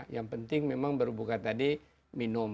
yang penting memang berbuka tadi minum